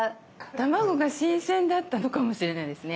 卵が新鮮だったのかもしれないですね。